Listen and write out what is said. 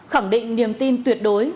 khẳng định niềm tin tuyệt đối